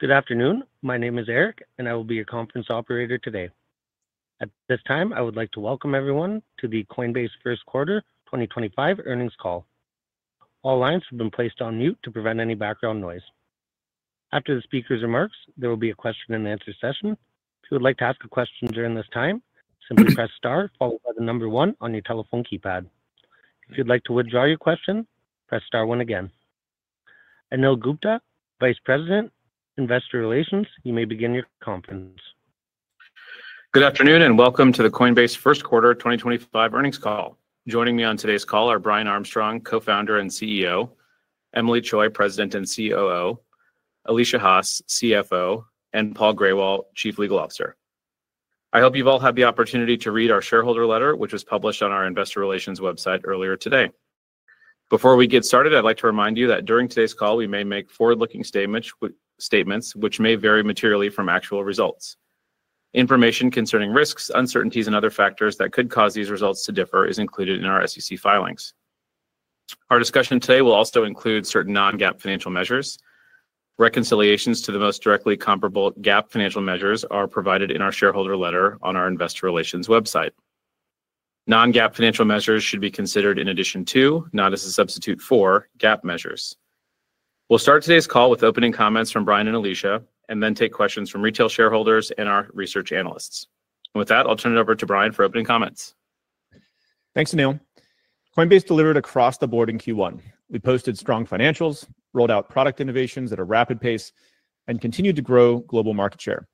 Good afternoon. My name is Eric, and I will be your conference operator today. At this time, I would like to welcome everyone to the Coinbase First Quarter 2025 earnings call. All lines have been placed on mute to prevent any background noise. After the speaker's remarks, there will be a question-and-answer session. If you would like to ask a question during this time, simply press Star, followed by the number one on your telephone keypad. If you'd like to withdraw your question, press Star one again. Anil Gupta, Vice President, Investor Relations, you may begin your conference. Good afternoon and welcome to the Coinbase First Quarter 2025 earnings call. Joining me on today's call are Brian Armstrong, Co-founder and CEO, Emilie Choi, President and COO, Alesia Haas, CFO, and Paul Grewal, Chief Legal Officer. I hope you've all had the opportunity to read our shareholder letter, which was published on our Investor Relations website earlier today. Before we get started, I'd like to remind you that during today's call, we may make forward-looking statements which may vary materially from actual results. Information concerning risks, uncertainties, and other factors that could cause these results to differ is included in our SEC filings. Our discussion today will also include certain non-GAAP financial measures. Reconciliations to the most directly comparable GAAP financial measures are provided in our shareholder letter on our Investor Relations website. Non-GAAP financial measures should be considered in addition to, not as a substitute for, GAAP measures. We'll start today's call with opening comments from Brian and Alesia, and then take questions from retail shareholders and our research analysts. With that, I'll turn it over to Brian for opening comments. Thanks, Anil. Coinbase delivered across the board in Q1. We posted strong financials, rolled out product innovations at a rapid pace, and continued to grow global market share.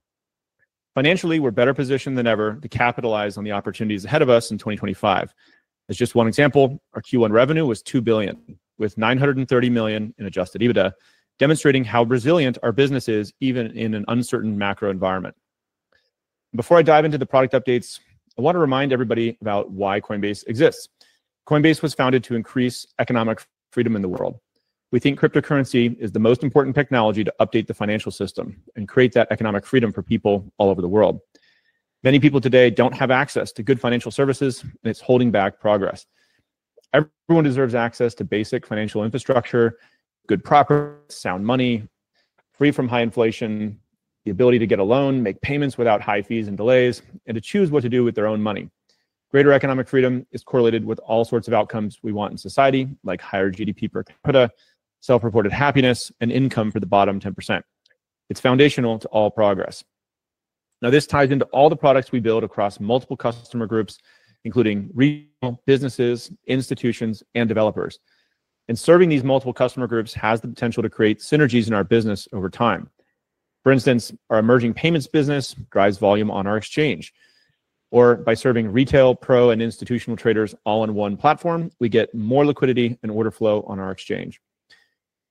Financially, we're better positioned than ever to capitalize on the opportunities ahead of us in 2025. As just one example, our Q1 revenue was $2 billion, with $930 million in Adjusted EBITDA, demonstrating how resilient our business is even in an uncertain macro environment. Before I dive into the product updates, I want to remind everybody about why Coinbase exists. Coinbase was founded to increase economic freedom in the world. We think cryptocurrency is the most important technology to update the financial system and create that economic freedom for people all over the world. Many people today don't have access to good financial services, and it's holding back progress. Everyone deserves access to basic financial infrastructure, good proper, sound money, free from high inflation, the ability to get a loan, make payments without high fees and delays, and to choose what to do with their own money. Greater economic freedom is correlated with all sorts of outcomes we want in society, like higher GDP per capita, self-reported happiness, and income for the bottom 10%. It's foundational to all progress. Now, this ties into all the products we build across multiple customer groups, including retail businesses, institutions, and developers, and serving these multiple customer groups has the potential to create synergies in our business over time. For instance, our emerging payments business drives volume on our exchange, or by serving retail, pro, and institutional traders all on one platform, we get more liquidity and order flow on our exchange.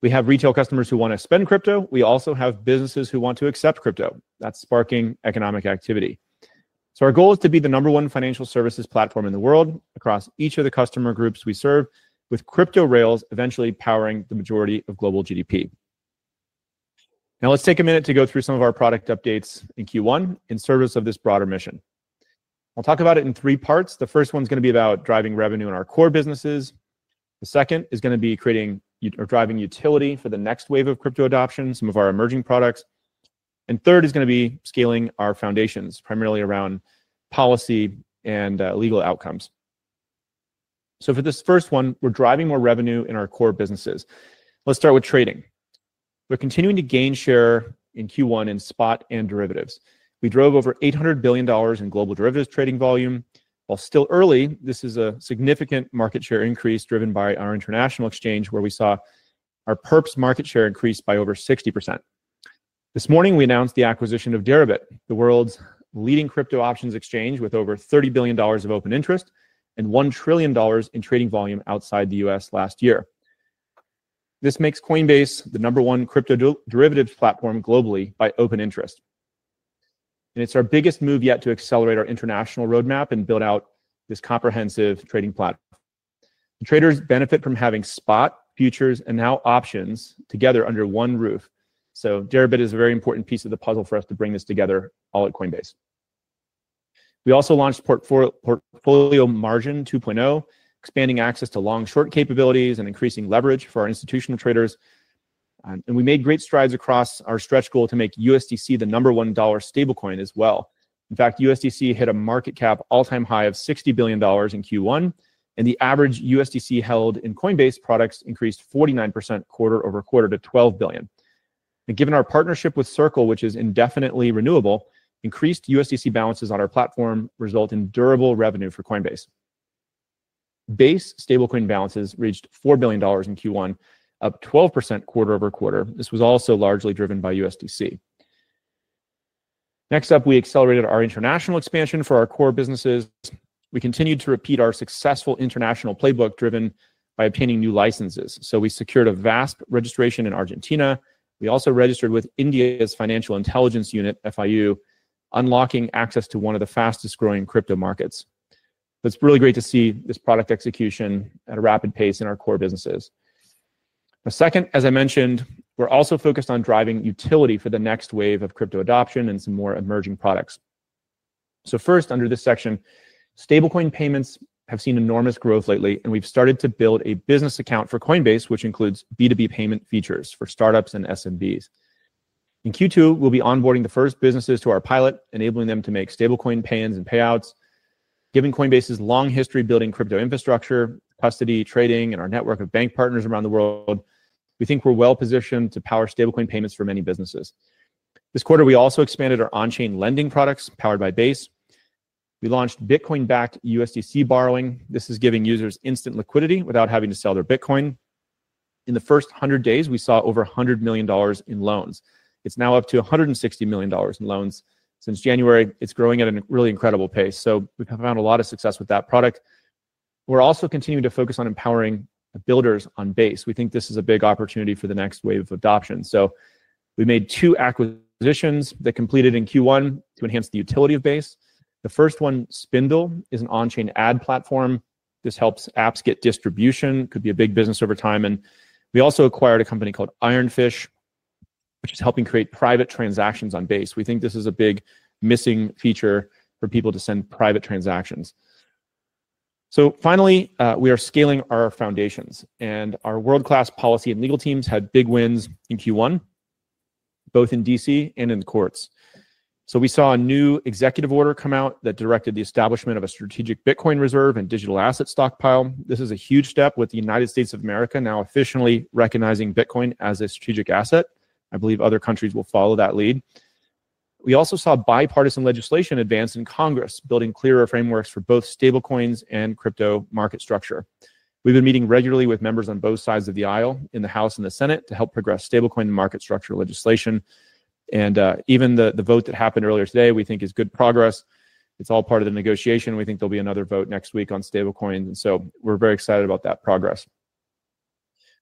We have retail customers who want to spend crypto. We also have businesses who want to accept crypto. That's sparking economic activity. So our goal is to be the number one financial services platform in the world across each of the customer groups we serve, with crypto rails eventually powering the majority of global GDP. Now, let's take a minute to go through some of our product updates in Q1 in service of this broader mission. I'll talk about it in three parts. The first one's going to be about driving revenue in our core businesses. The second is going to be creating or driving utility for the next wave of crypto adoption, some of our emerging products. And third is going to be scaling our foundations, primarily around policy and legal outcomes. So for this first one, we're driving more revenue in our core businesses. Let's start with trading. We're continuing to gain share in Q1 in spot and derivatives. We drove over $800 billion in global derivatives trading volume. While still early, this is a significant market share increase driven by our international exchange, where we saw our perps market share increase by over 60%. This morning, we announced the acquisition of Deribit, the world's leading crypto options exchange, with over $30 billion of open interest and $1 trillion in trading volume outside the US last year. This makes Coinbase the number one crypto derivatives platform globally by open interest. And it's our biggest move yet to accelerate our international roadmap and build out this comprehensive trading platform. Traders benefit from having spot, futures, and now options together under one roof. So Deribit is a very important piece of the puzzle for us to bring this together all at Coinbase. We also launched Portfolio Margin 2.0, expanding access to long-short capabilities and increasing leverage for our institutional traders. And we made great strides across our stretch goal to make USDC the number one dollar stablecoin as well. In fact, USDC hit a market cap all-time high of $60 billion in Q1, and the average USDC held in Coinbase products increased 49% quarter over quarter to $12 billion. And given our partnership with Circle, which is indefinitely renewable, increased USDC balances on our platform result in durable revenue for Coinbase. Base stablecoin balances reached $4 billion in Q1, up 12% quarter over quarter. This was also largely driven by USDC. Next up, we accelerated our international expansion for our core businesses. We continued to repeat our successful international playbook, driven by obtaining new licenses. So we secured a VASP registration in Argentina. We also registered with India's Financial Intelligence Unit, FIU, unlocking access to one of the fastest-growing crypto markets. So it's really great to see this product execution at a rapid pace in our core businesses. The second, as I mentioned, we're also focused on driving utility for the next wave of crypto adoption and some more emerging products, so first, under this section, stablecoin payments have seen enormous growth lately, and we've started to build a business account for Coinbase, which includes B2B payment features for startups and SMBs. In Q2, we'll be onboarding the first businesses to our pilot, enabling them to make stablecoin payments and payouts, giving Coinbase's long history building crypto infrastructure, custody, trading, and our network of bank partners around the world. We think we're well positioned to power stablecoin payments for many businesses. This quarter, we also expanded our on-chain lending products powered by Base. We launched Bitcoin-backed USDC borrowing. This is giving users instant liquidity without having to sell their Bitcoin. In the first 100 days, we saw over $100 million in loans. It's now up to $160 million in loans. Since January, it's growing at a really incredible pace. So we've found a lot of success with that product. We're also continuing to focus on empowering builders on Base. We think this is a big opportunity for the next wave of adoption. So we made two acquisitions that completed in Q1 to enhance the utility of Base. The first one, Spindl, is an on-chain ad platform. This helps apps get distribution. It could be a big business over time. And we also acquired a company called Iron Fish, which is helping create private transactions on Base. We think this is a big missing feature for people to send private transactions. So finally, we are scaling our foundations, and our world-class policy and legal teams had big wins in Q1, both in DC and in the courts. So we saw a new executive order come out that directed the establishment of a strategic Bitcoin reserve and digital asset stockpile. This is a huge step with the United States of America now officially recognizing Bitcoin as a strategic asset. I believe other countries will follow that lead. We also saw bipartisan legislation advance in Congress, building clearer frameworks for both stablecoins and crypto market structure. We've been meeting regularly with members on both sides of the aisle in the House and the Senate to help progress stablecoin market structure legislation. And even the vote that happened earlier today, we think, is good progress. It's all part of the negotiation. We think there'll be another vote next week on stablecoins. And so we're very excited about that progress.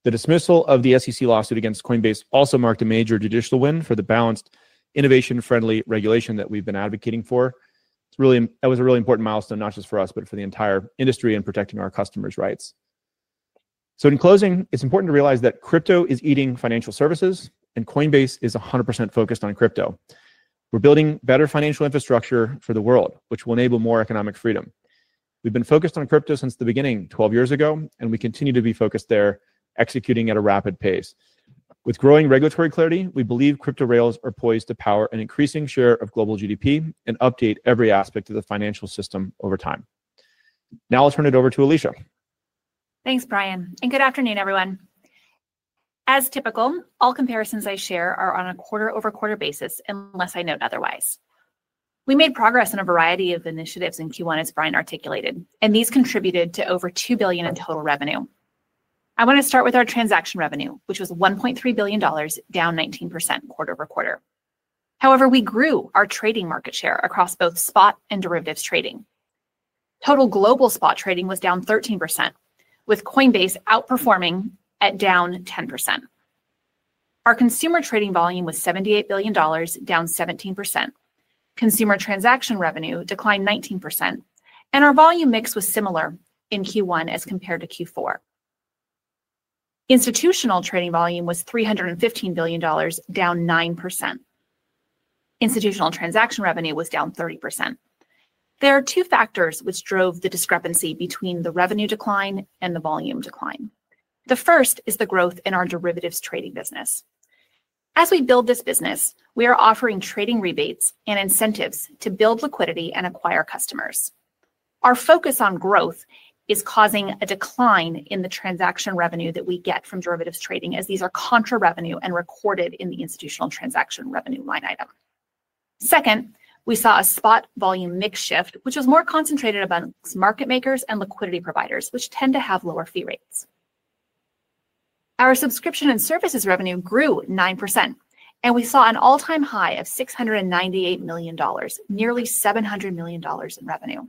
The dismissal of the SEC lawsuit against Coinbase also marked a major judicial win for the balanced, innovation-friendly regulation that we've been advocating for. It was a really important milestone, not just for us, but for the entire industry in protecting our customers' rights. So in closing, it's important to realize that crypto is eating financial services, and Coinbase is 100% focused on crypto. We're building better financial infrastructure for the world, which will enable more economic freedom. We've been focused on crypto since the beginning, 12 years ago, and we continue to be focused there, executing at a rapid pace. With growing regulatory clarity, we believe crypto rails are poised to power an increasing share of global GDP and update every aspect of the financial system over time. Now I'll turn it over to Alesia. Thanks, Brian, and good afternoon, everyone. As typical, all comparisons I share are on a quarter-over-quarter basis, unless I note otherwise. We made progress in a variety of initiatives in Q1, as Brian articulated, and these contributed to over $2 billion in total revenue. I want to start with our transaction revenue, which was $1.3 billion, down 19% quarter over quarter. However, we grew our trading market share across both spot and derivatives trading. Total global spot trading was down 13%, with Coinbase outperforming at down 10%. Our consumer trading volume was $78 billion, down 17%. Consumer transaction revenue declined 19%, and our volume mix was similar in Q1 as compared to Q4. Institutional trading volume was $315 billion, down 9%. Institutional transaction revenue was down 30%. There are two factors which drove the discrepancy between the revenue decline and the volume decline. The first is the growth in our derivatives trading business. As we build this business, we are offering trading rebates and incentives to build liquidity and acquire customers. Our focus on growth is causing a decline in the transaction revenue that we get from derivatives trading, as these are contra-revenue and recorded in the institutional transaction revenue line item. Second, we saw a spot volume mix shift, which was more concentrated amongst market makers and liquidity providers, which tend to have lower fee rates. Our subscription and services revenue grew 9%, and we saw an all-time high of $698 million, nearly $700 million in revenue.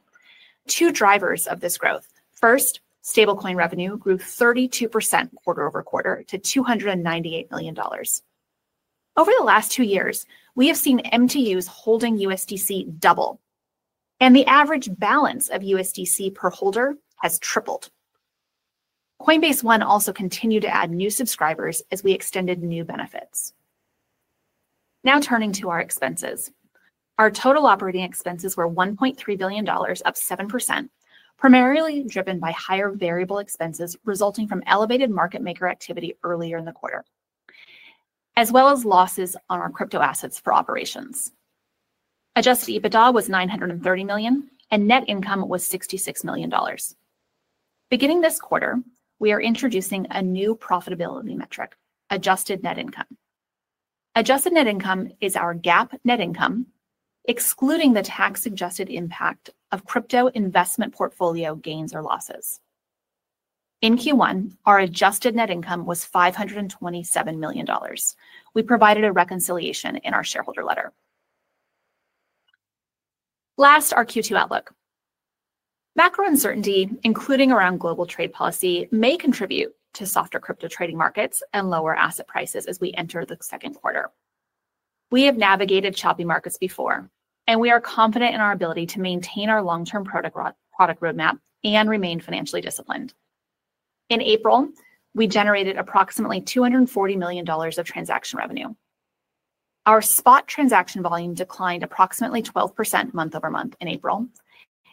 Two drivers of this growth. First, stablecoin revenue grew 32% quarter over quarter to $298 million. Over the last two years, we have seen MTUs holding USDC double, and the average balance of USDC per holder has tripled. Coinbase One also continued to add new subscribers as we extended new benefits. Now turning to our expenses. Our total operating expenses were $1.3 billion, up 7%, primarily driven by higher variable expenses resulting from elevated market maker activity earlier in the quarter, as well as losses on our crypto assets for operations. Adjusted EBITDA was $930 million, and net income was $66 million. Beginning this quarter, we are introducing a new profitability metric, Adjusted Net Income. Adjusted Net Income is our GAAP net income, excluding the tax-adjusted impact of crypto investment portfolio gains or losses. In Q1, our Adjusted Net Income was $527 million. We provided a reconciliation in our shareholder letter. Last, our Q2 outlook. Macro uncertainty, including around global trade policy, may contribute to softer crypto trading markets and lower asset prices as we enter the second quarter. We have navigated choppy markets before, and we are confident in our ability to maintain our long-term product roadmap and remain financially disciplined. In April, we generated approximately $240 million of transaction revenue. Our spot transaction volume declined approximately 12% month over month in April,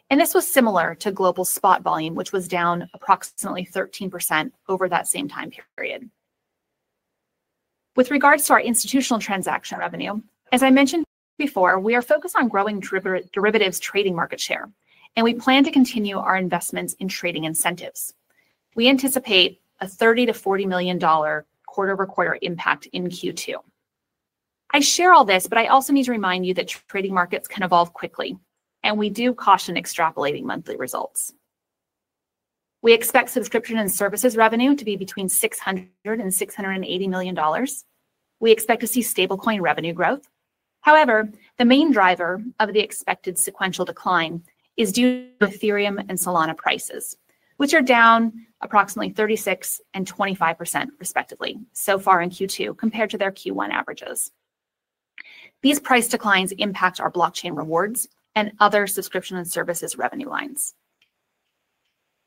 and this was similar to global spot volume, which was down approximately 13% over that same time period. With regards to our institutional transaction revenue, as I mentioned before, we are focused on growing derivatives trading market share, and we plan to continue our investments in trading incentives. We anticipate a $30-$40 million quarter over quarter impact in Q2. I share all this, but I also need to remind you that trading markets can evolve quickly, and we do caution extrapolating monthly results. We expect subscription and services revenue to be between $600 and $680 million. We expect to see stablecoin revenue growth. However, the main driver of the expected sequential decline is due to Ethereum and Solana prices, which are down approximately 36% and 25%, respectively, so far in Q2 compared to their Q1 averages. These price declines impact our blockchain rewards and other subscription and services revenue lines.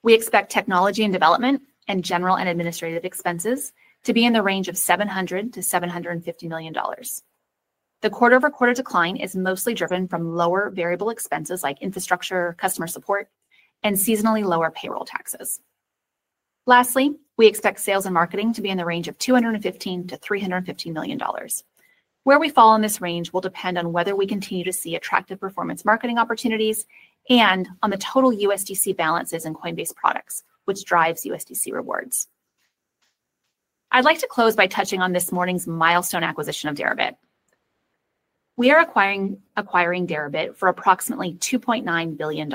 We expect technology and development and general and administrative expenses to be in the range of $700-$750 million. The quarter-over-quarter decline is mostly driven from lower variable expenses like infrastructure, customer support, and seasonally lower payroll taxes. Lastly, we expect sales and marketing to be in the range of $215-$350 million. Where we fall in this range will depend on whether we continue to see attractive performance marketing opportunities and on the total USDC balances in Coinbase products, which drives USDC rewards. I'd like to close by touching on this morning's milestone acquisition of Deribit. We are acquiring Deribit for approximately $2.9 billion.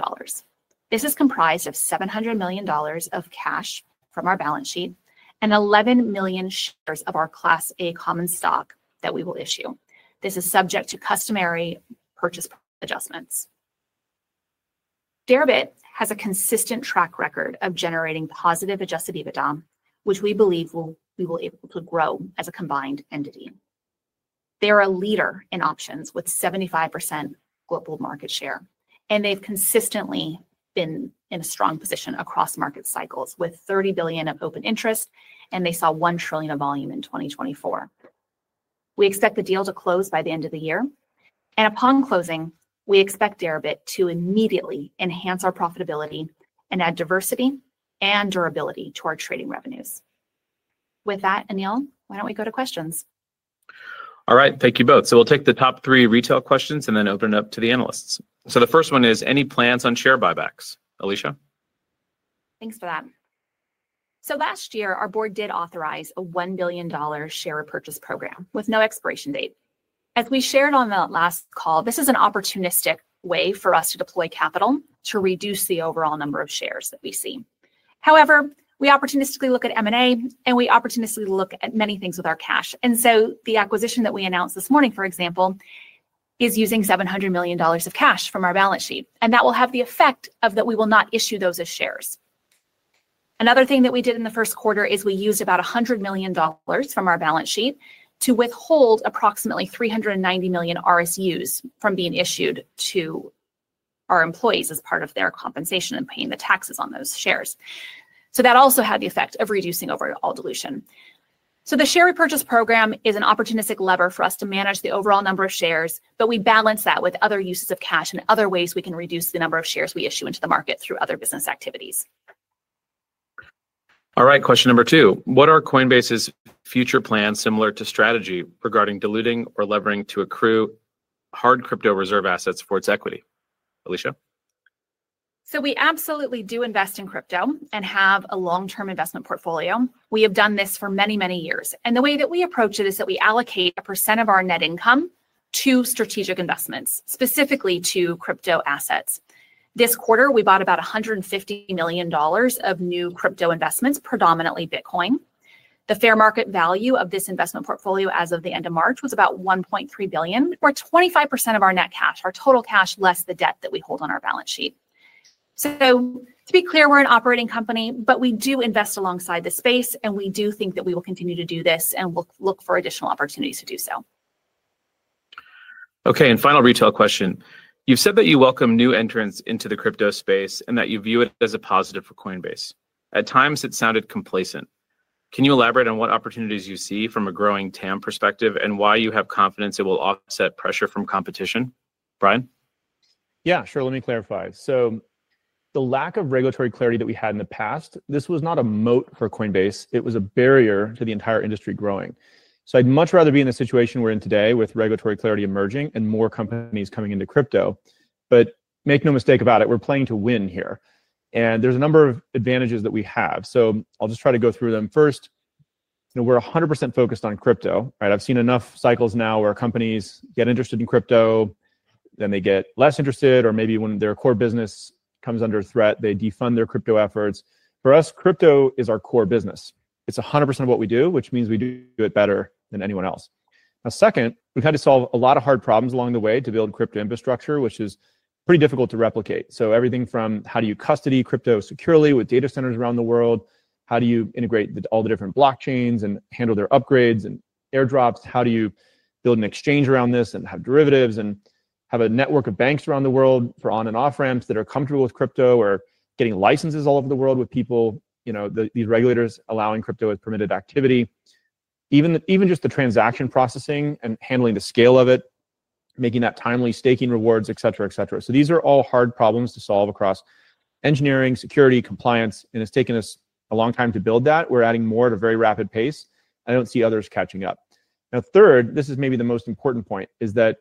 This is comprised of $700 million of cash from our balance sheet and 11 million shares of our Class A common stock that we will issue. This is subject to customary purchase adjustments. Deribit has a consistent track record of generating positive Adjusted EBITDA, which we believe we will be able to grow as a combined entity. They are a leader in options with 75% global market share, and they've consistently been in a strong position across market cycles with $30 billion of open interest, and they saw $1 trillion of volume in 2024. We expect the deal to close by the end of the year, and upon closing, we expect Deribit to immediately enhance our profitability and add diversity and durability to our trading revenues. With that, Anil, why don't we go to questions? All right. Thank you both. So we'll take the top three retail questions and then open it up to the analysts. So the first one is, any plans on share buybacks? Alesia? Thanks for that. So last year, our board did authorize a $1 billion share purchase program with no expiration date. As we shared on the last call, this is an opportunistic way for us to deploy capital to reduce the overall number of shares that we see. However, we opportunistically look at M&A, and we opportunistically look at many things with our cash. And so the acquisition that we announced this morning, for example, is using $700 million of cash from our balance sheet, and that will have the effect that we will not issue those as shares. Another thing that we did in the first quarter is we used about $100 million from our balance sheet to withhold approximately $390 million RSUs from being issued to our employees as part of their compensation and paying the taxes on those shares. So that also had the effect of reducing overall dilution. So the share repurchase program is an opportunistic lever for us to manage the overall number of shares, but we balance that with other uses of cash and other ways we can reduce the number of shares we issue into the market through other business activities. All right. Question number two. What are Coinbase's future plans similar to strategy regarding diluting or levering to accrue hard crypto reserve assets for its equity? Alesia? So we absolutely do invest in crypto and have a long-term investment portfolio. We have done this for many, many years. And the way that we approach it is that we allocate a percent of our net income to strategic investments, specifically to crypto assets. This quarter, we bought about $150 million of new crypto investments, predominantly Bitcoin. The fair market value of this investment portfolio as of the end of March was about $1.3 billion, or 25% of our net cash, our total cash less the debt that we hold on our balance sheet. So to be clear, we're an operating company, but we do invest alongside the space, and we do think that we will continue to do this and look for additional opportunities to do so. Okay. And final retail question. You've said that you welcome new entrants into the crypto space and that you view it as a positive for Coinbase. At times, it sounded complacent. Can you elaborate on what opportunities you see from a growing TAM perspective and why you have confidence it will offset pressure from competition? Brian? Yeah, sure. Let me clarify. So the lack of regulatory clarity that we had in the past, this was not a moat for Coinbase. It was a barrier to the entire industry growing. So I'd much rather be in the situation we're in today with regulatory clarity emerging and more companies coming into crypto. But make no mistake about it, we're playing to win here. And there's a number of advantages that we have. So I'll just try to go through them. First, we're 100% focused on crypto. I've seen enough cycles now where companies get interested in crypto, then they get less interested, or maybe when their core business comes under threat, they defund their crypto efforts. For us, crypto is our core business. It's 100% of what we do, which means we do it better than anyone else. Now, second, we've had to solve a lot of hard problems along the way to build crypto infrastructure, which is pretty difficult to replicate. So everything from how do you custody crypto securely with data centers around the world, how do you integrate all the different blockchains and handle their upgrades and airdrops, how do you build an exchange around this and have derivatives and have a network of banks around the world for on- and off-ramps that are comfortable with crypto or getting licenses all over the world with people, these regulators allowing crypto as permitted activity, even just the transaction processing and handling the scale of it, making that timely staking rewards, et cetera, et cetera. So these are all hard problems to solve across engineering, security, compliance, and it's taken us a long time to build that. We're adding more at a very rapid pace. I don't see others catching up. Now, third, this is maybe the most important point, is that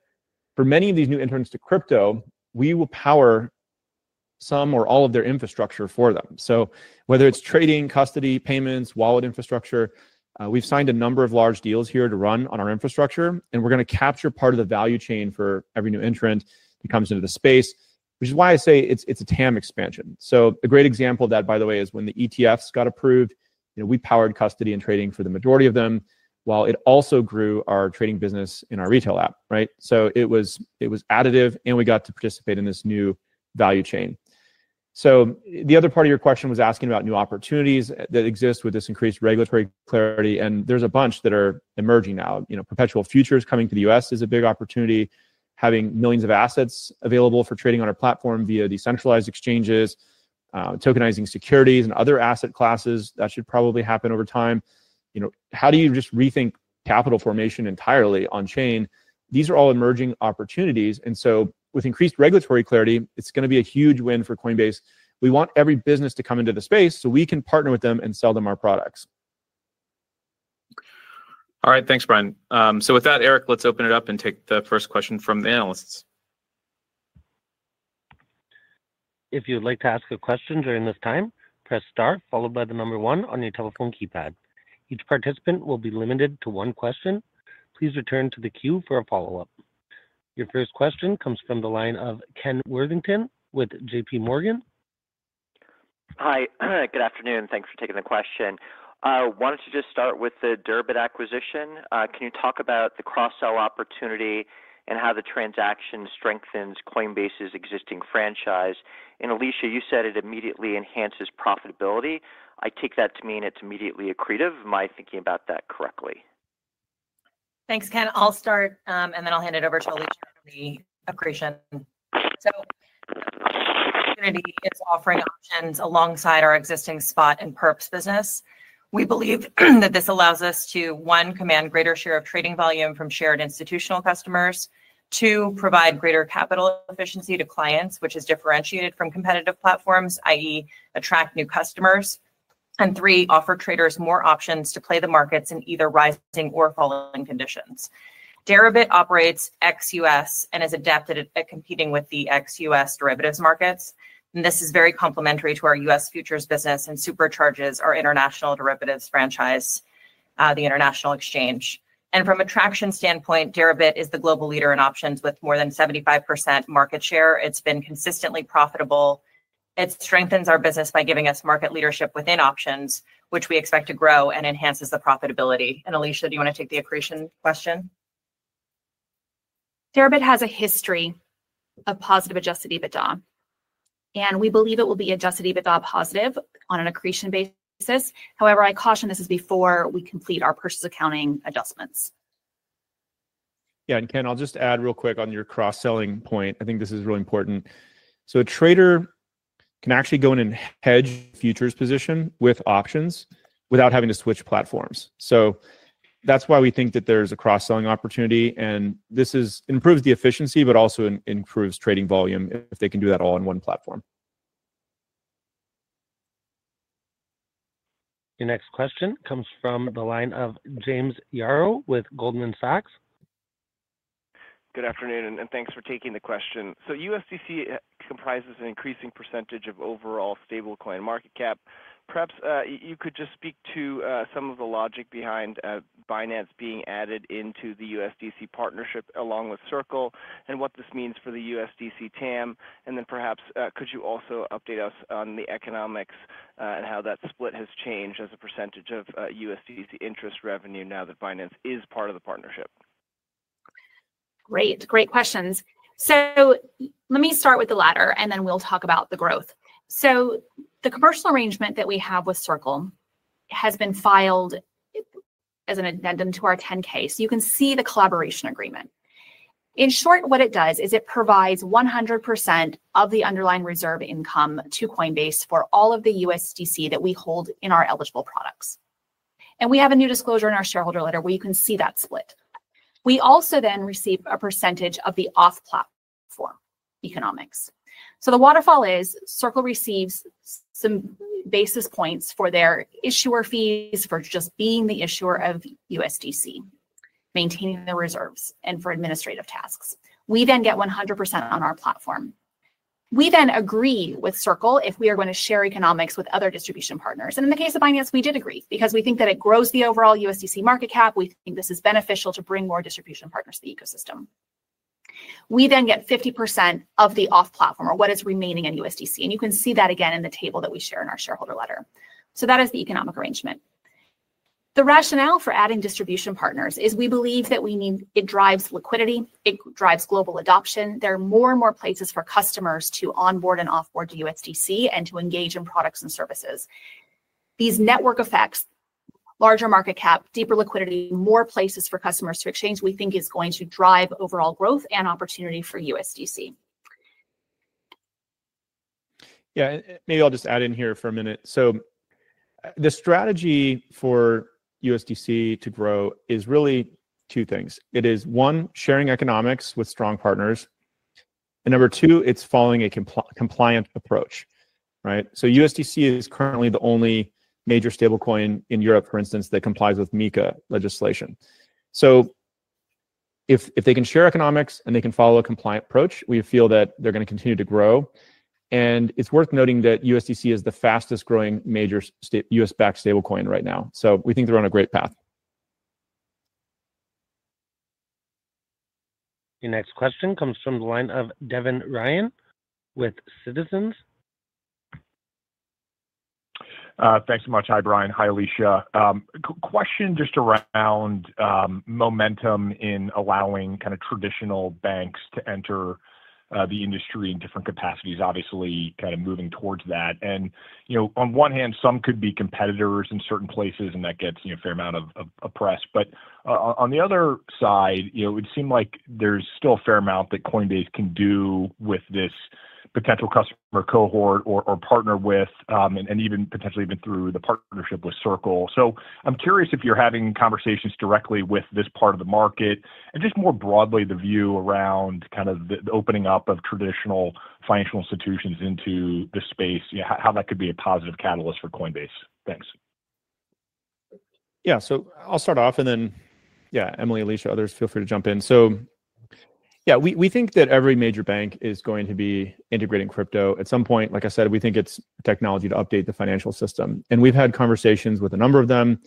for many of these new entrants to crypto, we will power some or all of their infrastructure for them. So whether it's trading, custody, payments, wallet infrastructure, we've signed a number of large deals here to run on our infrastructure, and we're going to capture part of the value chain for every new entrant that comes into the space, which is why I say it's a TAM expansion. So a great example of that, by the way, is when the ETFs got approved, we powered custody and trading for the majority of them, while it also grew our trading business in our retail app. So it was additive, and we got to participate in this new value chain. So the other part of your question was asking about new opportunities that exist with this increased regulatory clarity, and there's a bunch that are emerging now. Perpetual futures coming to the U.S. is a big opportunity, having millions of assets available for trading on our platform via decentralized exchanges, tokenizing securities and other asset classes. That should probably happen over time. How do you just rethink capital formation entirely on-chain? These are all emerging opportunities. And so with increased regulatory clarity, it's going to be a huge win for Coinbase. We want every business to come into the space so we can partner with them and sell them our products. All right. Thanks, Brian. So with that, Eric, let's open it up and take the first question from the analysts. If you'd like to ask a question during this time, press Star, followed by the number one on your telephone keypad. Each participant will be limited to one question. Please return to the queue for a follow-up. Your first question comes from the line of Ken Worthington with JPMorgan. Hi. Good afternoon. Thanks for taking the question. I wanted to just start with the Deribit acquisition. Can you talk about the cross-sell opportunity and how the transaction strengthens Coinbase's existing franchise? And Alesia, you said it immediately enhances profitability. I take that to mean it's immediately accretive. Am I thinking about that correctly? Thanks, Ken. I'll start, and then I'll hand it over to Alesia for the accretion. So the opportunity is offering options alongside our existing spot and perps business. We believe that this allows us to one command greater share of trading volume from shared institutional customers. Two provide greater capital efficiency to clients, which is differentiated from competitive platforms, i.e., attract new customers. And three offer traders more options to play the markets in either rising or falling conditions. Deribit operates ex-US and is adept at competing with the ex-US derivatives markets. This is very complementary to our US futures business and supercharges our international derivatives franchise, the international exchange. From a traction standpoint, Deribit is the global leader in options with more than 75% market share. It's been consistently profitable. It strengthens our business by giving us market leadership within options, which we expect to grow and enhances the profitability, and Alesia, do you want to take the accretion question? Deribit has a history of positive Adjusted EBITDA, and we believe it will be Adjusted EBITDA positive on an accretion basis. However, I caution this is before we complete our purchase accounting adjustments. Yeah. And Ken, I'll just add real quick on your cross-selling point. I think this is really important. So a trader can actually go in and hedge futures position with options without having to switch platforms. So that's why we think that there's a cross-selling opportunity, and this improves the efficiency, but also improves trading volume if they can do that all on one platform. The next question comes from the line of James Yaro with Goldman Sachs. Good afternoon, and thanks for taking the question. So USDC comprises an increasing percentage of overall stablecoin market cap. Perhaps you could just speak to some of the logic behind Binance being added into the USDC partnership along with Circle and what this means for the USDC TAM. And then perhaps could you also update us on the economics and how that split has changed as a percentage of USDC interest revenue now that Binance is part of the partnership? Great. Great questions. So let me start with the latter, and then we'll talk about the growth. So the commercial arrangement that we have with Circle has been filed as an addendum to our 10-K. So you can see the collaboration agreement. In short, what it does is it provides 100% of the underlying reserve income to Coinbase for all of the USDC that we hold in our eligible products. And we have a new disclosure in our shareholder letter where you can see that split. We also then receive a percentage of the off-platform economics. So the waterfall is Circle receives some basis points for their issuer fees for just being the issuer of USDC, maintaining the reserves, and for administrative tasks. We then get 100% on our platform. We then agree with Circle if we are going to share economics with other distribution partners. In the case of Binance, we did agree because we think that it grows the overall USDC market cap. We think this is beneficial to bring more distribution partners to the ecosystem. We then get 50% of the off-platform or what is remaining in USDC. You can see that again in the table that we share in our shareholder letter. That is the economic arrangement. The rationale for adding distribution partners is we believe that it drives liquidity. It drives global adoption. There are more and more places for customers to onboard and offboard to USDC and to engage in products and services. These network effects, larger market cap, deeper liquidity, more places for customers to exchange, we think is going to drive overall growth and opportunity for USDC. Yeah. Maybe I'll just add in here for a minute. So the strategy for USDC to grow is really two things. It is, one, sharing economics with strong partners. And number two, it's following a compliant approach. So USDC is currently the only major stablecoin in Europe, for instance, that complies with MiCA legislation. So if they can share economics and they can follow a compliant approach, we feel that they're going to continue to grow. And it's worth noting that USDC is the fastest-growing major US-backed stablecoin right now. So we think they're on a great path. The next question comes from the line of Devin Ryan with Citizens. Thanks so much. Hi, Brian. Hi, Alesia. Question just around momentum in allowing kind of traditional banks to enter the industry in different capacities, obviously kind of moving towards that. And on one hand, some could be competitors in certain places, and that gets a fair amount of press. But on the other side, it would seem like there's still a fair amount that Coinbase can do with this potential customer cohort or partner with, and even potentially even through the partnership with Circle. So I'm curious if you're having conversations directly with this part of the market and just more broadly the view around kind of the opening up of traditional financial institutions into the space, how that could be a positive catalyst for Coinbase. Thanks. Yeah. So I'll start off, and then, yeah, Emilie, Alesia, others, feel free to jump in. So yeah, we think that every major bank is going to be integrating crypto. At some point, like I said, we think it's technology to update the financial system. And we've had conversations with a number of them.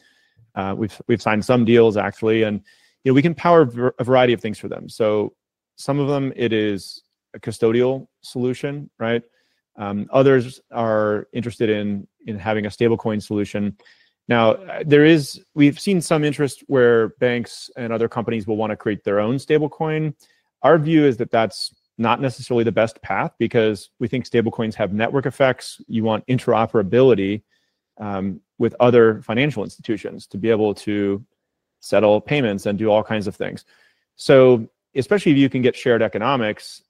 We've signed some deals, actually, and we can power a variety of things for them. So some of them, it is a custodial solution. Others are interested in having a stablecoin solution. Now, we've seen some interest where banks and other companies will want to create their own stablecoin. Our view is that that's not necessarily the best path because we think stablecoins have network effects. You want interoperability with other financial institutions to be able to settle payments and do all kinds of things. So especially if you can get shared economics,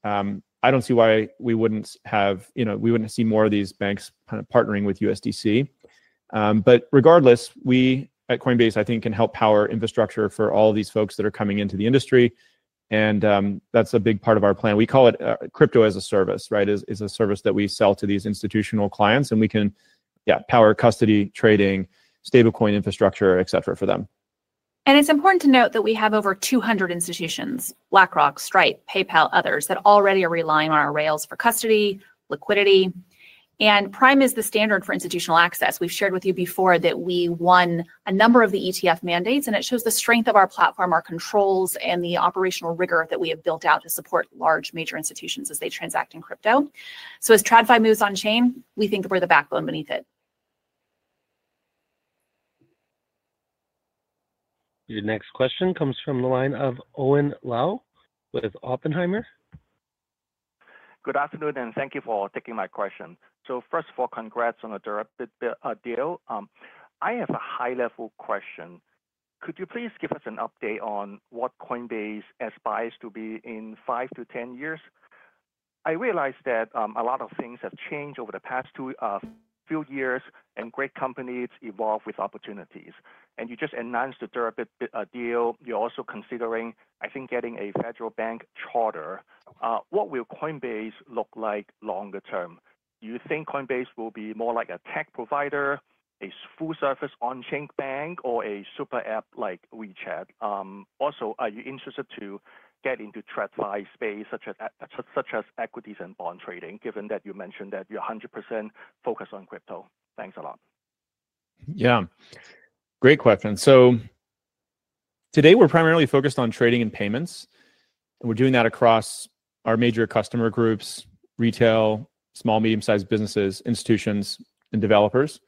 I don't see why we wouldn't have seen more of these banks kind of partnering with USDC. But regardless, we at Coinbase, I think, can help power infrastructure for all of these folks that are coming into the industry. And that's a big part of our plan. We call it crypto as a service, is a service that we sell to these institutional clients, and we can power custody, trading, stablecoin infrastructure, et cetera, for them. And it's important to note that we have over 200 institutions: BlackRock, Stripe, PayPal, others that already are relying on our rails for custody, liquidity. And Prime is the standard for institutional access. We've shared with you before that we won a number of the ETF mandates, and it shows the strength of our platform, our controls, and the operational rigor that we have built out to support large major institutions as they transact in crypto. So as TradFi moves on-chain, we think we're the backbone beneath it. The next question comes from the line of Owen Lau with Oppenheimer. Good afternoon, and thank you for taking my question. So first of all, congrats on a Deribit deal. I have a high-level question. Could you please give us an update on what Coinbase aspires to be in five to 10 years? I realize that a lot of things have changed over the past few years, and great companies evolve with opportunities, and you just announced a Deribit deal. You're also considering, I think, getting a federal bank charter. What will Coinbase look like longer term? Do you think Coinbase will be more like a tech provider, a full-service on-chain bank, or a super app like WeChat? Also, are you interested to get into TradFi space, such as equities and bond trading, given that you mentioned that you're 100% focused on crypto? Thanks a lot. Yeah. Great question. So today, we're primarily focused on trading and payments. And we're doing that across our major customer groups, retail, small, medium-sized businesses, institutions, and developers.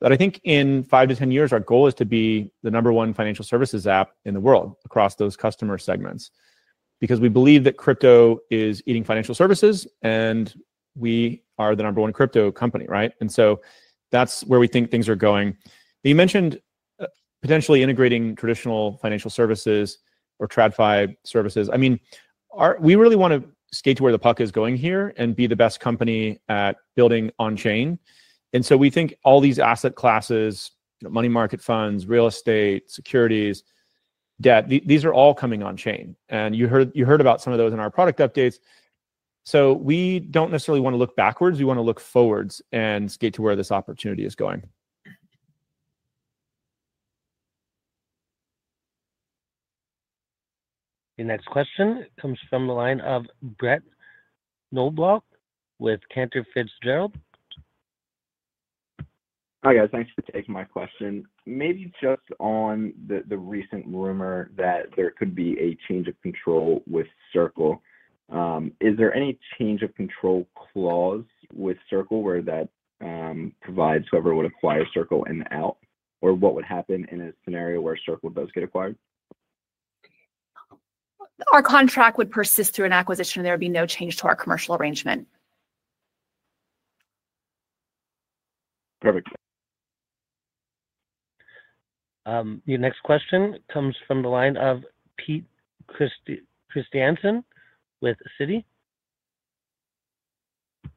But I think in five to 10 years, our goal is to be the number one financial services app in the world across those customer segments because we believe that crypto is eating financial services, and we are the number one crypto company. And so that's where we think things are going. You mentioned potentially integrating traditional financial services or TradFi services. I mean, we really want to skate to where the puck is going here and be the best company at building on-chain. And so we think all these asset classes, money market funds, real estate, securities, debt, these are all coming on-chain. And you heard about some of those in our product updates. So we don't necessarily want to look backwards. We want to look forwards and skate to where this opportunity is going. The next question comes from the line of Brett Knoblauch with Cantor Fitzgerald. Hi, guys. Thanks for taking my question. Maybe just on the recent rumor that there could be a change of control with Circle. Is there any change of control clause with Circle where that provides whoever would acquire Circle in and out? Or what would happen in a scenario where Circle does get acquired? Our contract would persist through an acquisition, and there would be no change to our commercial arrangement. Perfect. The next question comes from the line of Peter Christiansen with Citi.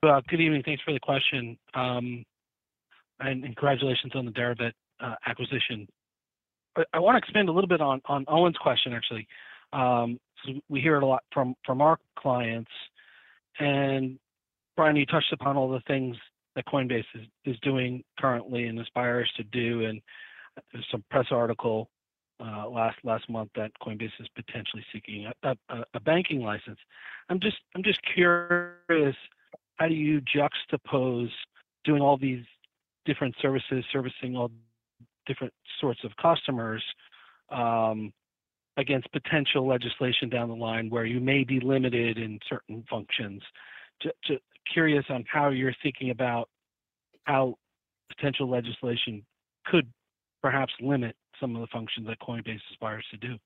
Good evening. Thanks for the question. And congratulations on the Deribit acquisition. I want to expand a little bit on Owen's question, actually, because we hear it a lot from our clients. And Brian, you touched upon all the things that Coinbase is doing currently and aspires to do. And there's a press article last month that Coinbase is potentially seeking a banking license. I'm just curious, how do you juxtapose doing all these different services, servicing all different sorts of customers against potential legislation down the line where you may be limited in certain functions? Curious on how you're thinking about how potential legislation could perhaps limit some of the functions that Coinbase aspires to do.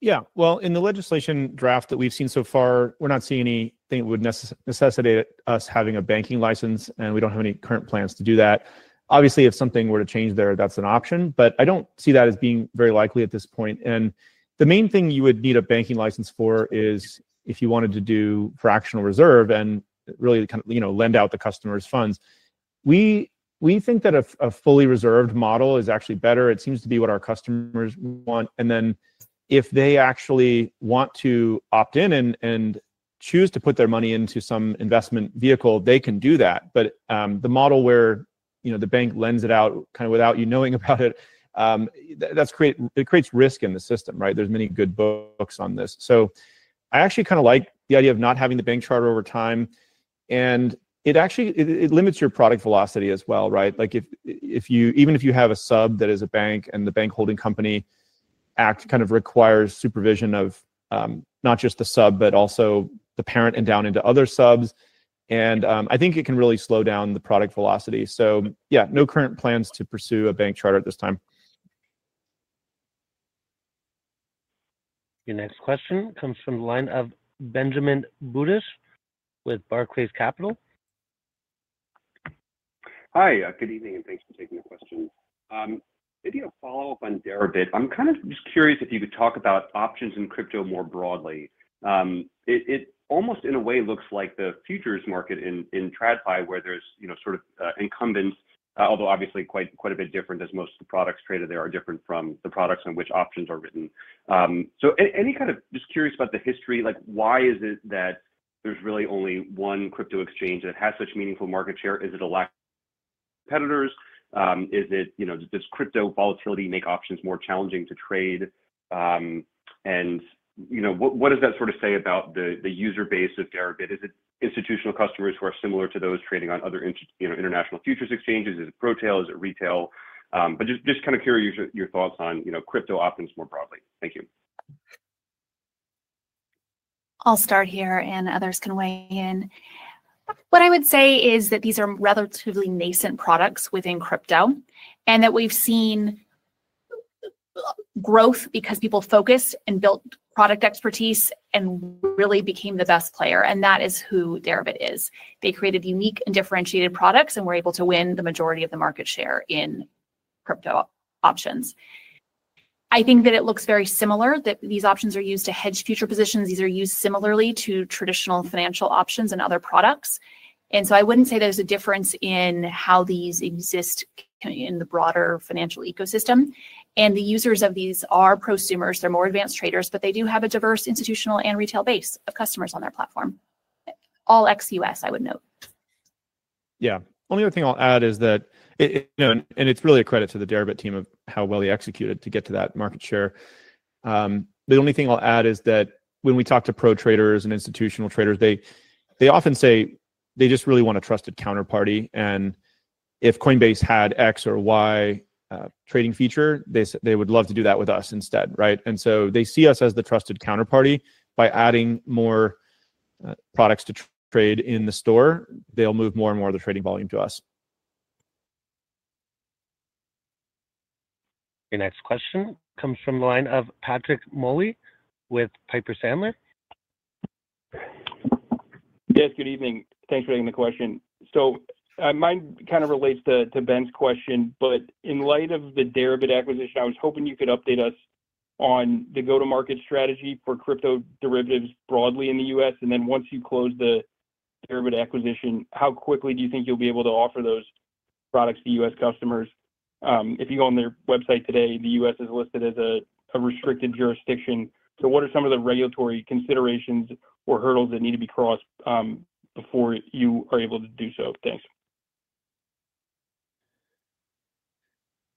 Yeah. Well, in the legislation draft that we've seen so far, we're not seeing anything that would necessitate us having a banking license, and we don't have any current plans to do that. Obviously, if something were to change there, that's an option. But I don't see that as being very likely at this point. And the main thing you would need a banking license for is if you wanted to do fractional reserve and really kind of lend out the customer's funds. We think that a fully reserved model is actually better. It seems to be what our customers want. And then if they actually want to opt in and choose to put their money into some investment vehicle, they can do that. But the model where the bank lends it out kind of without you knowing about it. It creates risk in the system. There's many good books on this. So I actually kind of like the idea of not having the bank charter over time. And it limits your product velocity as well. Even if you have a sub that is a bank and the Bank Holding Company Act kind of requires supervision of not just the sub, but also the parent and down into other subs. And I think it can really slow down the product velocity. So yeah, no current plans to pursue a bank charter at this time. The next question comes from the line of Benjamin Budish with Barclays Capital. Hi, good evening, and thanks for taking the question. Maybe a follow-up on Deribit. I'm kind of just curious if you could talk about options in crypto more broadly. It almost in a way looks like the futures market in TradFi where there's sort of incumbents, although obviously quite a bit different as most of the products traded there are different from the products on which options are written. So any kind of just curious about the history. Why is it that there's really only one crypto exchange that has such meaningful market share? Is it a lack of competitors? Does crypto volatility make options more challenging to trade? And what does that sort of say about the user base of Deribit? Is it institutional customers who are similar to those trading on other international futures exchanges? Is it pro-tail? Is it retail? But just kind of curious your thoughts on crypto options more broadly? Thank you. I'll start here, and others can weigh in. What I would say is that these are relatively nascent products within crypto and that we've seen growth because people focused and built product expertise and really became the best player. And that is who Deribit is. They created unique and differentiated products and were able to win the majority of the market share in crypto options. I think that it looks very similar that these options are used to hedge future positions. These are used similarly to traditional financial options and other products. And so I wouldn't say there's a difference in how these exist in the broader financial ecosystem. And the users of these are prosumers. They're more advanced traders, but they do have a diverse institutional and retail base of customers on their platform. All ex-US, I would note. Yeah. Only other thing I'll add is that, and it's really a credit to the Deribit team for how well they executed to get to that market share. The only thing I'll add is that when we talk to pro-traders and institutional traders, they often say they just really want a trusted counterparty. And if Coinbase had X or Y trading feature, they would love to do that with us instead. And so they see us as the trusted counterparty. By adding more products to trade in the store, they'll move more and more of the trading volume to us. The next question comes from the line of Patrick Moley with Piper Sandler. Yes, good evening. Thanks for taking the question, so mine kind of relates to Ben's question, but in light of the Deribit acquisition, I was hoping you could update us on the go-to-market strategy for crypto derivatives broadly in the U.S. And then once you close the Deribit acquisition, how quickly do you think you'll be able to offer those products to U.S. customers? If you go on their website today, the U.S. is listed as a restricted jurisdiction, so what are some of the regulatory considerations or hurdles that need to be crossed before you are able to do so? Thanks.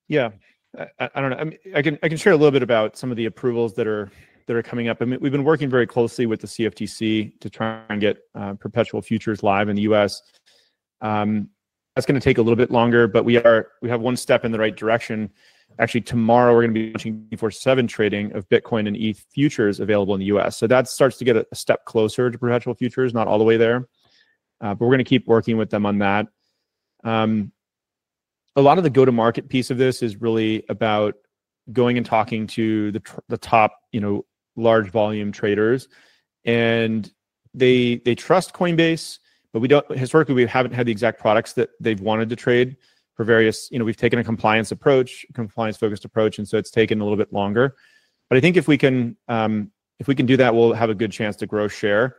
Yeah. I don't know. I can share a little bit about some of the approvals that are coming up. We've been working very closely with the CFTC to try and get perpetual futures live in the U.S. That's going to take a little bit longer, but we have one step in the right direction. Actually, tomorrow, we're going to be launching 24/7 trading of Bitcoin and ETH futures available in the U.S. So that starts to get a step closer to perpetual futures, not all the way there. But we're going to keep working with them on that. A lot of the go-to-market piece of this is really about going and talking to the top large volume traders. And they trust Coinbase, but historically, we haven't had the exact products that they've wanted to trade for various reasons. We've taken a compliance approach, a compliance-focused approach, and so it's taken a little bit longer. But I think if we can do that, we'll have a good chance to grow share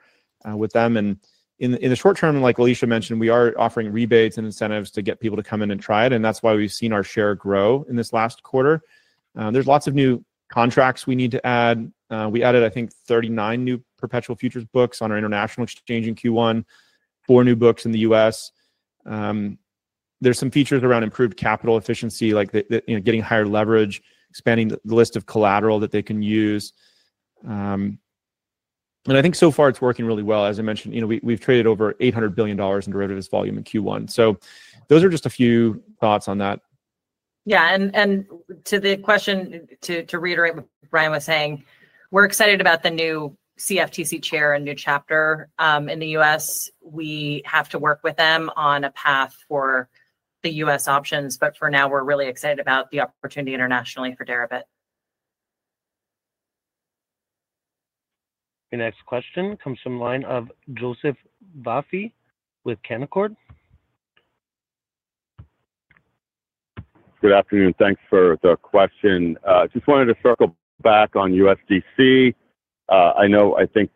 with them. And in the short term, like Alesia mentioned, we are offering rebates and incentives to get people to come in and try it. And that's why we've seen our share grow in this last quarter. There's lots of new contracts we need to add. We added, I think, 39 new perpetual futures books on our international exchange in Q1, four new books in the US. There's some features around improved capital efficiency, like getting higher leverage, expanding the list of collateral that they can use. And I think so far, it's working really well. As I mentioned, we've traded over $800 billion in derivatives volume in Q1. So those are just a few thoughts on that. Yeah. And to the question, to reiterate what Brian was saying, we're excited about the new CFTC chair and new chapter in the U.S. We have to work with them on a path for the U.S. options. But for now, we're really excited about the opportunity internationally for Deribit. The next question comes from the line of Joseph Vafi with Canaccord. Good afternoon. Thanks for the question. Just wanted to circle back on USDC. I think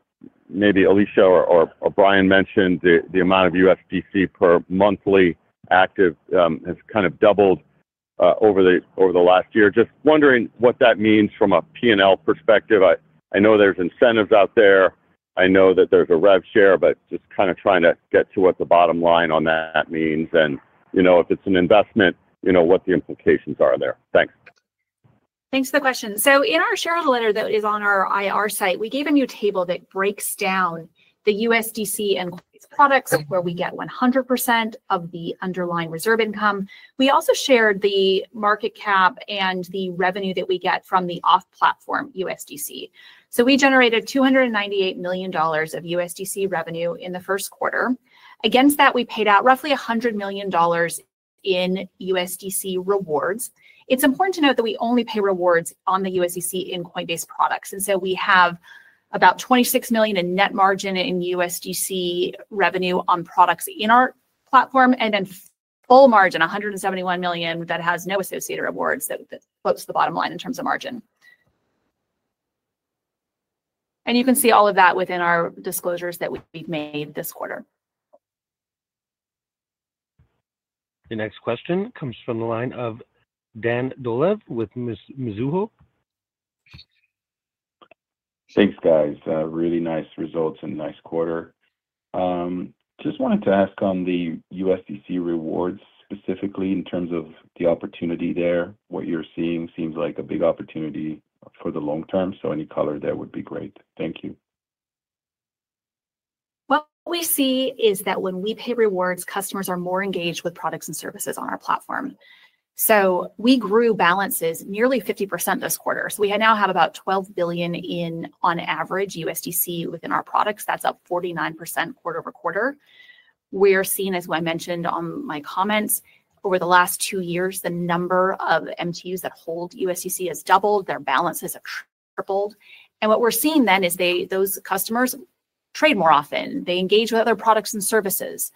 maybe Alesia or Brian mentioned the amount of USDC per monthly active has kind of doubled over the last year. Just wondering what that means from a P&L perspective. I know there's incentives out there. I know that there's a rev share, but just kind of trying to get to what the bottom line on that means. And if it's an investment, what the implications are there. Thanks. Thanks for the question, so in our shareholder letter that is on our IR site, we gave a new table that breaks down the USDC and Coinbase products where we get 100% of the underlying reserve income. We also shared the market cap and the revenue that we get from the off-platform USDC, so we generated $298 million of USDC revenue in the first quarter. Against that, we paid out roughly $100 million in USDC rewards. It's important to note that we only pay rewards on the USDC in Coinbase products, and so we have about $26 million in net margin in USDC revenue on products in our platform and then full margin, $171 million, that has no associated rewards that close to the bottom line in terms of margin, and you can see all of that within our disclosures that we've made this quarter. The next question comes from the line of Dan Dolev with Mizuho. Thanks, guys. Really nice results and nice quarter. Just wanted to ask on the USDC rewards specifically in terms of the opportunity there. What you're seeing seems like a big opportunity for the long term. So any color there would be great. Thank you. What we see is that when we pay rewards, customers are more engaged with products and services on our platform, so we grew balances nearly 50% this quarter, so we now have about $12 billion in on average USDC within our products. That's up 49% quarter over quarter. We are seeing, as I mentioned on my comments, over the last two years, the number of MTUs that hold USDC has doubled. Their balances have tripled. And what we're seeing then is those customers trade more often. They engage with other products and services.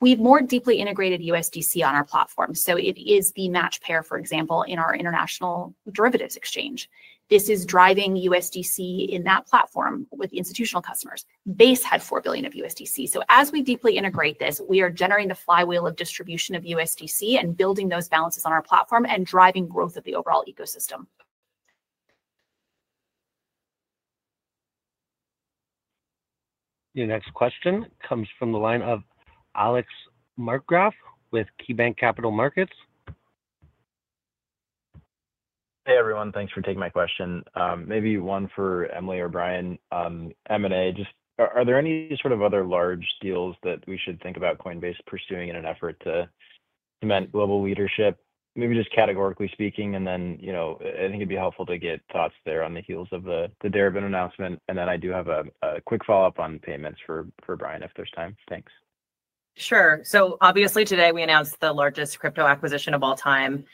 We've more deeply integrated USDC on our platform, so it is the match pair, for example, in our international derivatives exchange. This is driving USDC in that platform with institutional customers. Base had $4 billion of USDC. So as we deeply integrate this, we are generating the flywheel of distribution of USDC and building those balances on our platform and driving growth of the overall ecosystem. The next question comes from the line of Alex Markgraff with KeyBanc Capital Markets. Hey, everyone. Thanks for taking my question. Maybe one for Emilie or Brian. M&A, just are there any sort of other large deals that we should think about Coinbase pursuing in an effort to cement global leadership, maybe just categorically speaking? And then I think it'd be helpful to get thoughts there on the heels of the Deribit announcement. And then I do have a quick follow-up on payments for Brian if there's time. Thanks. Sure. So obviously today, we announced the largest crypto acquisition of all time.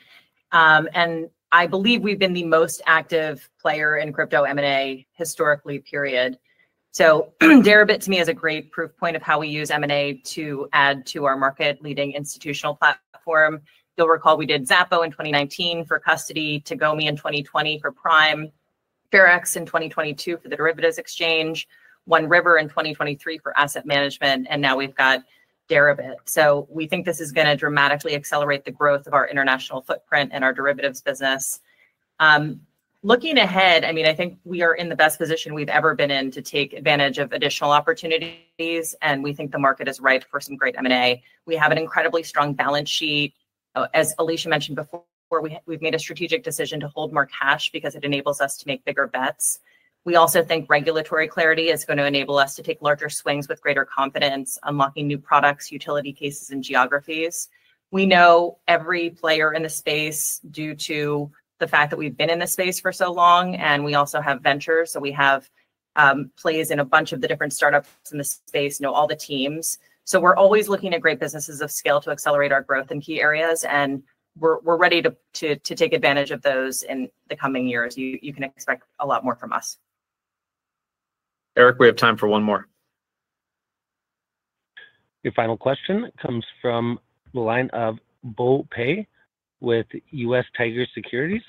And I believe we've been the most active player in crypto M&A historically, period. So Deribit, to me, is a great proof point of how we use M&A to add to our market-leading institutional platform. You'll recall we did Xapo in 2019 for custody, Tagomi in 2020 for prime, FairX in 2022 for the derivatives exchange, One River in 2023 for asset management, and now we've got Deribit. So we think this is going to dramatically accelerate the growth of our international footprint and our derivatives business. Looking ahead, I mean, I think we are in the best position we've ever been in to take advantage of additional opportunities. And we think the market is ripe for some great M&A. We have an incredibly strong balance sheet. As Alesia mentioned before, we've made a strategic decision to hold more cash because it enables us to make bigger bets. We also think regulatory clarity is going to enable us to take larger swings with greater confidence, unlocking new products, use cases, and geographies. We know every player in the space due to the fact that we've been in the space for so long, and we also have ventures, so we have plays in a bunch of the different startups in the space, all the teams, so we're always looking at great businesses of scale to accelerate our growth in key areas, and we're ready to take advantage of those in the coming years. You can expect a lot more from us. Eric, we have time for one more. The final question comes from the line of Bo Pei with US Tiger Securities.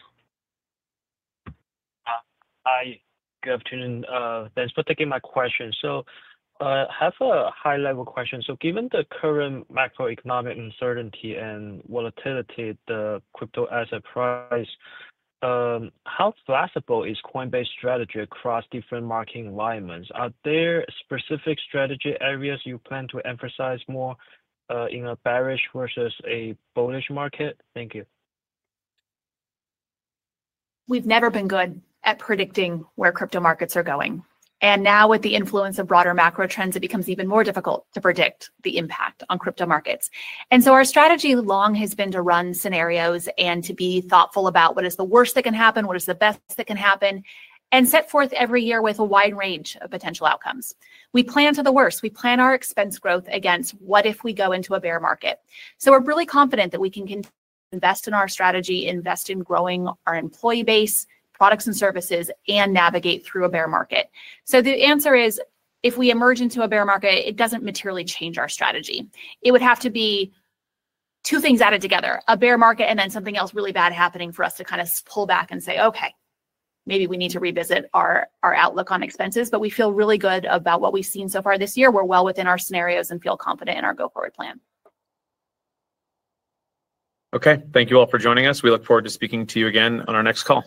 Hi, good afternoon. Thanks for taking my question. So I have a high-level question. So given the current macroeconomic uncertainty and volatility of the crypto asset price, how flexible is Coinbase's strategy across different market environments? Are there specific strategy areas you plan to emphasize more in a bearish versus a bullish market? Thank you. We've never been good at predicting where crypto markets are going. And now, with the influence of broader macro trends, it becomes even more difficult to predict the impact on crypto markets. And so our strategy long has been to run scenarios and to be thoughtful about what is the worst that can happen, what is the best that can happen, and set forth every year with a wide range of potential outcomes. We plan to the worst. We plan our expense growth against what if we go into a bear market? So we're really confident that we can invest in our strategy, invest in growing our employee base, products and services, and navigate through a bear market. So the answer is, if we emerge into a bear market, it doesn't materially change our strategy. It would have to be two things added together: a bear market and then something else really bad happening for us to kind of pull back and say, "Okay, maybe we need to revisit our outlook on expenses." But we feel really good about what we've seen so far this year. We're well within our scenarios and feel confident in our go-forward plan. Okay. Thank you all for joining us. We look forward to speaking to you again on our next call.